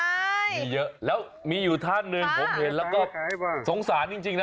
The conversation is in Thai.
ใช่มีเยอะแล้วมีอยู่ท่านหนึ่งผมเห็นแล้วก็สงสารจริงนะ